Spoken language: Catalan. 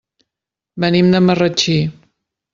Venim de Marratxí.